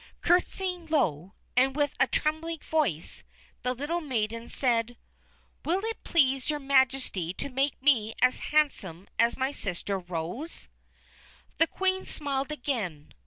Curtsying low, and with a trembling voice, the little maiden said: "Will it please Your Majesty to make me as handsome as my sister Rose?" The Queen smiled again.